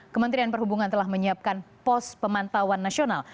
kementerian perhubungan telah menyiapkan pos pemantauan nasional